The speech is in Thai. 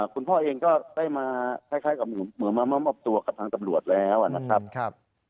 คุณพ่อเองก็ได้มาคล้ายกับเหมือนมามอบตัวกับทางตำรวจแล้วนะครับ